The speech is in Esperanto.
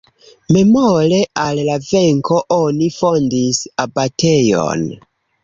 Memore al la venko oni fondis abatejon.